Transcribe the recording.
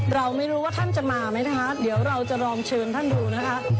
เราไม่รู้ว่าท่านจะมาไหมคะเดี๋ยวเราจะลองเชิญท่านดูนะคะ